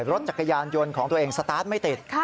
รถจักรยานยนต์ของตัวเองสตาร์ทไม่ติด